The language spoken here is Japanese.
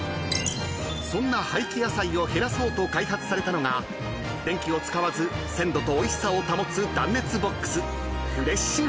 ［そんな廃棄野菜を減らそうと開発されたのが電気を使わず鮮度とおいしさを保つ断熱ボックスＦｒｅｓｈＬｏｇｉ］